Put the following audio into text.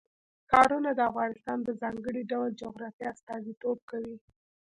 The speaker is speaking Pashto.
ښارونه د افغانستان د ځانګړي ډول جغرافیه استازیتوب کوي.